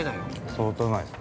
◆相当うまいっす！